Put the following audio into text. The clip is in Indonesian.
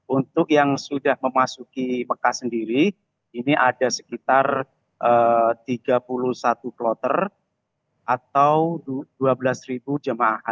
untuk yang sudah memasuki mekah sendiri ini ada sekitar tiga puluh satu kloter atau dua belas jemaah haji